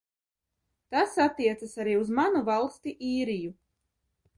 Tas attiecas arī uz manu valsti Īriju.